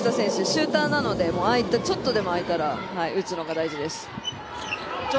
シューターなのでああいった、ちょっとでも空いたら打つのが大事です。